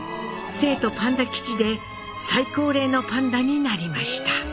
成都パンダ基地で最高齢のパンダになりました。